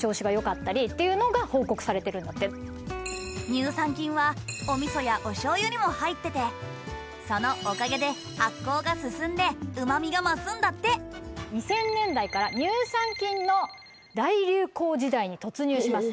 乳酸菌はおみそやおしょうゆにも入っててそのおかげでが増すんだって２０００年代から乳酸菌の大流行時代に突入します。